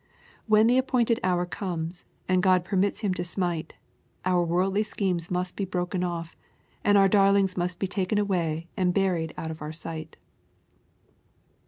When the appointed hour comes, and God permits him to smite, our worldly schemes must be broken off, and our darlings must be taken away and buried out of our sight.